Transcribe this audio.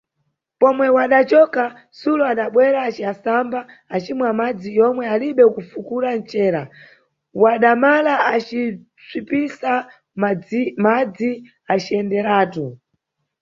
Pomwe wadacoka, Sulo adabwera, aciasamba, acima madzi yomwe alibe kufukula ncera, wadamala, aci psipisa madzi aciyenderatu.